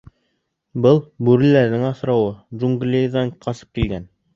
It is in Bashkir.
Был — бүреләрҙең аҫырауы, джунглиҙан ҡасып килгән.